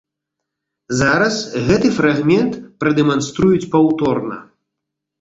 Зараз гэты фрагмент прадэманструюць паўторна.